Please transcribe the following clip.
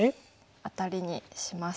アタリにします。